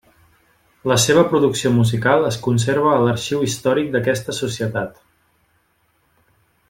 La seva producció musical es conserva a l'arxiu històric d'aquesta societat.